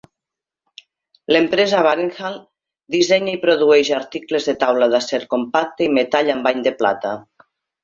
L'empresa Barenthal dissenya i produeix articles de taula d'acer compacte i metall amb bany de plata.